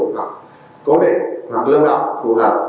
hoặc cố định hoặc lưu động phù hợp